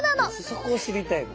そこを知りたいの。